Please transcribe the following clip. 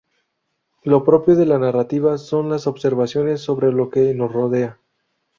Lo propio de la narrativa son las observaciones sobre lo que nos rodea.